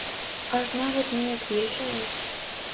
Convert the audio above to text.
Аж нават неяк весела.